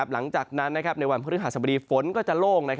หลังจากนั้นในวันพระคุณหสมบูรณ์ภาคฝนก็จะโล่ง